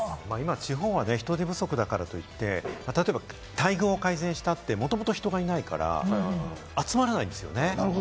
地方は人手不足だからといって、改善したところで、もともと人がいないから集まらないんですよね。